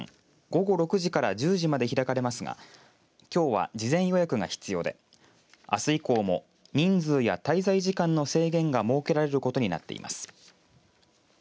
午後６時から１０時まで開かれますがきょうは事前予約が必要であす以降も人数や滞在時間の制限が設けられることになっています。